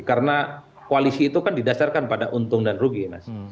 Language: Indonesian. karena koalisi itu kan didasarkan pada untung dan rugi mas